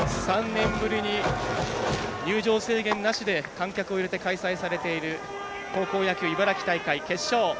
３年ぶりに入場制限なしで観客を入れて開催されている高校野球茨城大会決勝。